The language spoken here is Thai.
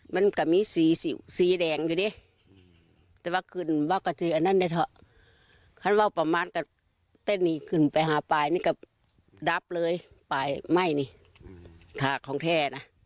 มันก็มีสีแดงอยู่ดี้แต่ว่าขึ้นบ้านก็อันนั้นด้วยเขาว่าประมาณก็เต้นหนีขึ้นไปหาปลายเนี่ยก็ดับเลยปลายไหม้นี้ถ่ากของแท่นะ